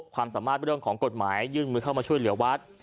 ความสามารถเรื่องของกฎหมายยื่นมือเข้ามาช่วยเหลือวัด